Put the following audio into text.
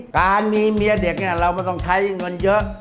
การมีเมียเด็กเนี่ยเราไม่ต้องใช้เงินเยอะ